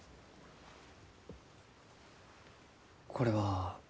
これは？